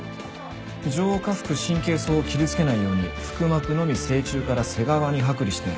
上下腹神経叢を傷つけないように腹膜のみ正中から背側に剥離して。